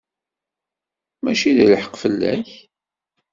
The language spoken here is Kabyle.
Mačči d lḥeqq fell-ak.